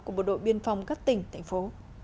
của bộ đội biên phòng các tỉnh thành phố